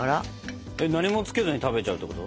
何もつけずに食べちゃうってこと？